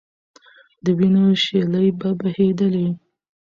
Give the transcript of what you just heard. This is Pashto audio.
د وینو شېلې به بهېدلې.